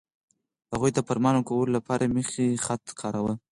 هغوی د فرمان ورکولو لپاره میخي خط کاراوه.